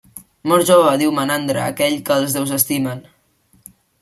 Mor jove, diu Menandre, aquell que els déus estimen.